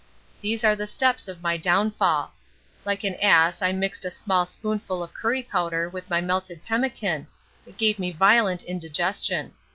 These are the steps of my downfall. Like an ass I mixed a small spoonful of curry powder with my melted pemmican it gave me violent indigestion.